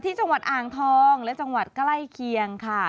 จังหวัดอ่างทองและจังหวัดใกล้เคียงค่ะ